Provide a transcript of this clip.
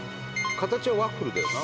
形はワッフルだよな。